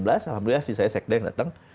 alhamdulillah sisanya sekdeng datang